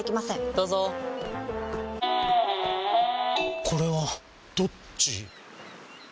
どうぞこれはどっち？